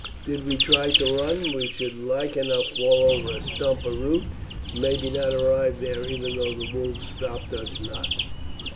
Did we try to run we should like enough fall over a stump or root, and maybe not arrive there even though the wolves stopped us not."